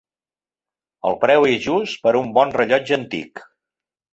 El preu és just per a un bon rellotge antic.